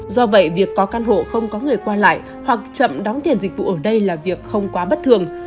do vậy việc có căn hộ không có người qua lại hoặc chậm đóng tiền dịch vụ ở đây là việc không quá bất thường